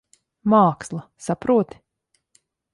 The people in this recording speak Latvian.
Māksla. Saproti?